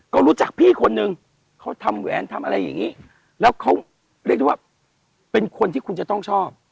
ก็รู้จักพี่คนนึงเขาทำแหวนทำอะไรอย่างนี้แล้วเขาเรียกได้ว่าเป็นคนที่คุณจะต้องชอบ